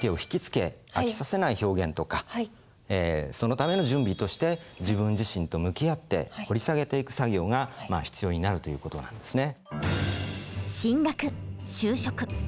そのためにはそのための準備として自分自身と向き合って掘り下げていく作業が必要になるという事なんですね。